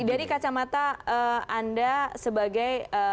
dari kacamata anda sebagai